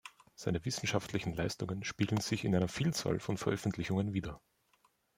Seine wissenschaftlichen Leistungen spiegeln sich in einer Vielzahl von Veröffentlichungen wider.